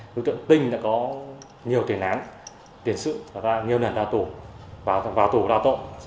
đối tượng tinh đã có nhiều tiền án tiền sự và nhiều lần vào tù vào tù của đa tộ